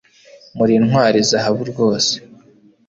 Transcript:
Muri Intwari Zahabu rwose